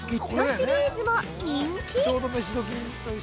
シリーズも人気！